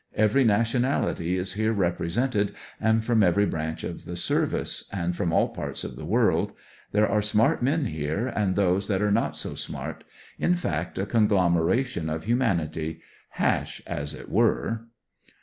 Every nationality is here represented and from every branch of the service, and from all parts of the world. There are smart men here and those that are not so smart, in fact a conglomeration of humanity — hash, as it were.